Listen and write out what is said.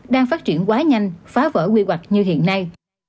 đang phát triển quá nhanh phá vỡ quy hoạch như hiện nay